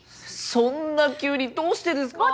そんな急にどうしてですか？